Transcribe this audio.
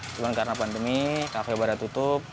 tapi karena pandemi kafe baru tutup